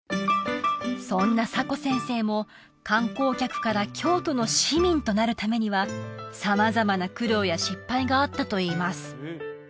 そんなサコ先生も観光客から京都の市民となるためには様々な苦労や失敗があったといいます